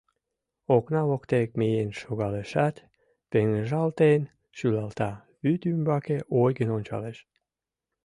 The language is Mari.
Окна воктек миен шогалешат, пеҥыжалтен шӱлалта, вӱд ӱмбаке ойгын ончалеш.